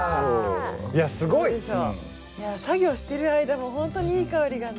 いやすごい！作業してる間もほんとにいい香りがね。